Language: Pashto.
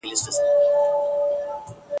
زما له موج سره یاري ده له توپان سره همزولی ..